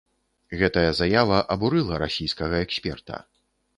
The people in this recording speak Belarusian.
Гэтая заява абурыла расійскага эксперта.